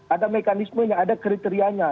ada mekanismenya ada kriterianya